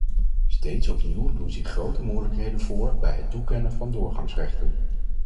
Steeds opnieuw doen zich grote moeilijkheden voor bij het toekennen van doorgangsrechten.